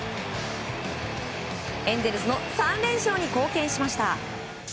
エンゼルスの３連勝に貢献しました。